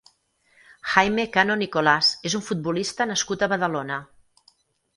Jaime Cano Nicolás és un futbolista nascut a Badalona.